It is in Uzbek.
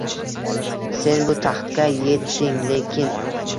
Sen bu taxtga yetding, lekin